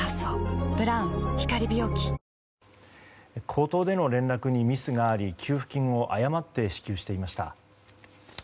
口頭での連絡にミスがあり給付金を誤って支給していました。